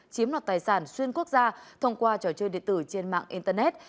chiếm lọt tài sản xuyên quốc gia thông qua trò chơi địa tử trên mạng internet